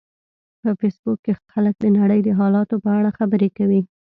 په فېسبوک کې خلک د نړۍ د حالاتو په اړه خبرې کوي